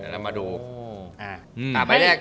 เดี๋ยวเรามาดู